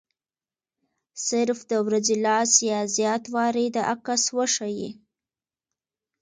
صرف د ورځې لس یا زیات وارې دا عکس وښيي.